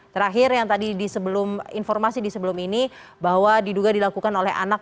terakhir informasi di sebelum ini bahwa diduga dilakukan oleh anak